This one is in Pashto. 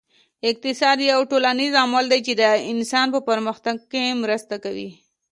اقتصاد یو ټولنیز علم دی چې د انسان په پرمختګ کې مرسته کوي